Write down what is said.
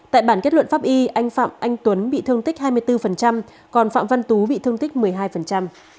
tại bản kết luận pháp y anh phạm anh tuấn bị thương tích hai mươi bốn còn phạm văn tú bị thương tích một mươi hai